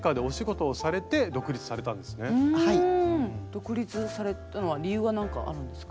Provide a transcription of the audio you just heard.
独立されたのは理由は何かあるんですか？